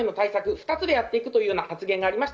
２つでやっていくという発言がありました。